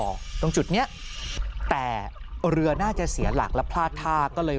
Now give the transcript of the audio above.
ตรงจุดเนี้ยแต่เรือน่าจะเสียหลักและพลาดท่าก็เลย